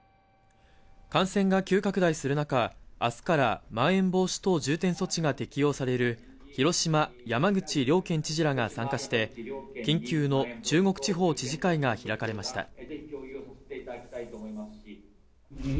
感染が急拡大する中、明日からまん延防止等重点措置が適用される広島、山口両県知事らが参加して緊急の中国地方知事会が開かれました。